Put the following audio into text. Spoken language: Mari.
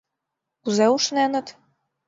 Кузе ушненыт?